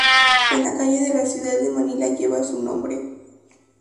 Una calle de la ciudad de Manila lleva su nombre.